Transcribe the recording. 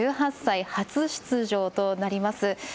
１８歳、初出場となります。